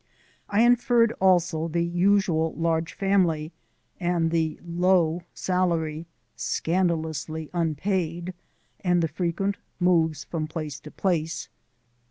I inferred also the usual large family and the low salary (scandalously unpaid) and the frequent moves from place to place.